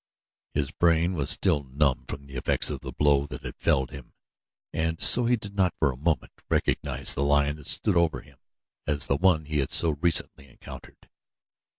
His brain was still numb from the effects of the blow that had felled him, and so he did not, for a moment, recognize the lion that stood over him as the one he had so recently encountered.